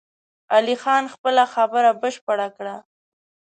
علي خان خپله خبره بشپړه کړه!